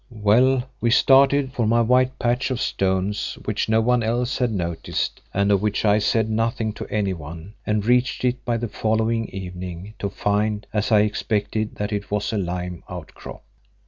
Well, we started for my white patch of stones which no one else had noticed and of which I said nothing to anyone, and reached it by the following evening, to find, as I expected, that it was a lime outcrop.